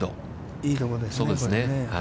いいところですね。